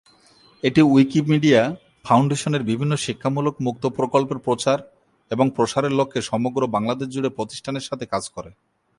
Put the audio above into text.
এটি উইকিমিডিয়া ফাউন্ডেশনের বিভিন্ন শিক্ষামূলক মুক্ত প্রকল্পের প্রচার এবং প্রসারের লক্ষ্যে সমগ্র বাংলাদেশ জুড়ে প্রতিষ্ঠানের সাথে কাজ করে।